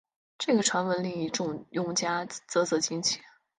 这个传闻令一众用家啧啧称奇！